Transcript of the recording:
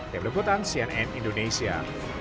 diapkan sian n indonesia